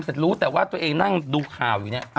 เสร็จรู้แต่ว่าตัวเองนั่งดูข่าวอยู่เนี่ย